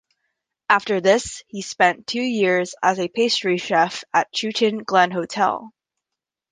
After this he spent two years as a Pastry Chef at Chewton Glen Hotel.